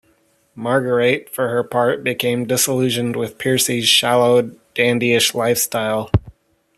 Marguerite, for her part, became disillusioned with Percy's shallow, dandyish lifestyle.